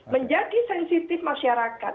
menjadi sensitif masyarakat